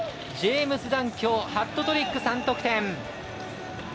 ジェームズ・ダンきょうハットトリック３得点。